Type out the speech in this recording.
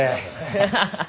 ハハハハ。